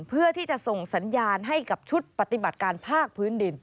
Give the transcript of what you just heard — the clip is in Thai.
เพื่อที่จะส่งสัญญาณให้กับชุดปฏิบัติการภาคพื้นดิน